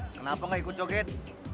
kenapa ga ikut joget